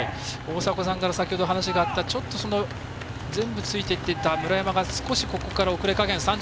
大迫さんから先ほど話があった全部ついていっていた村山が少しここから遅れ加減。